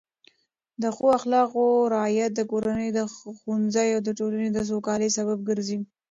د ښو اخلاقو رعایت د کورنۍ، ښوونځي او ټولنې د سوکالۍ سبب ګرځي.